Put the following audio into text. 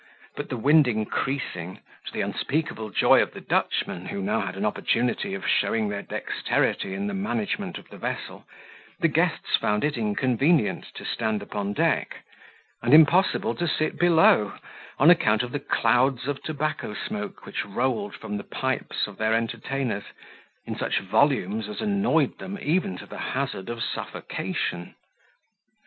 But the wind increasing, to the unspeakable joy of the Dutchmen, who had now an opportunity of showing their dexterity in the management of the vessel, the guests found it inconvenient to stand upon deck, and impossible to sit below, on account of the clouds of tobacco smoke which rolled from the pipes of their entertainers, in such volumes as annoyed them even to the hazard of suffocation.